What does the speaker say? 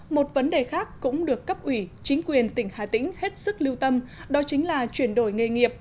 một vấn đề khác cũng được cấp ủy chính quyền tỉnh hà tĩnh hết sức lưu tâm đó chính là chuyển đổi nghề nghiệp